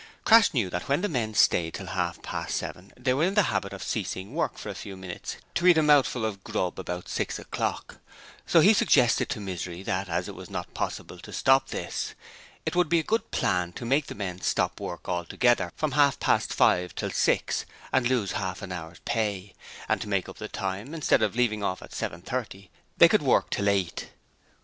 Crass knew that when the men stayed till half past seven they were in the habit of ceasing work for a few minutes to eat a mouthful of grub about six o'clock, so he suggested to Misery that as it was not possible to stop this, it would be a good plan to make the men stop work altogether from half past five till six, and lose half an hour's pay; and to make up the time, instead of leaving off at seven thirty, they could work till eight.